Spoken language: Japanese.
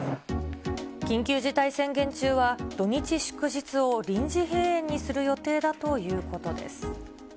緊急事態宣言中は土日、祝日を臨時閉園にする予定だということです。